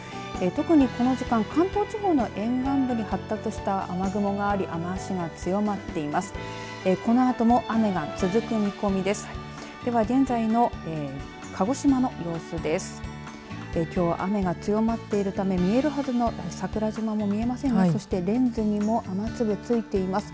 特にこの時間関東地方の沿岸部で発達した雨雲があり雨足が強まっています。